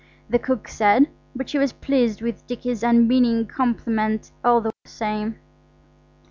the cook said, but she was pleased with Dicky's unmeaning compliment all the same.